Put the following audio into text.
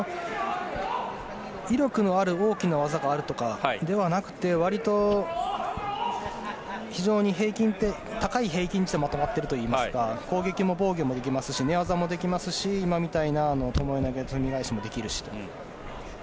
威力のある大きな技があるとかではなくてわりと非常に高い平均値でまとまっているといいますか攻撃も防御もできますし寝技もできますし今みたいなともえ投げすみ返しもできるしという。